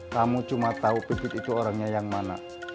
kamu cuma tahu bibit itu orangnya yang mana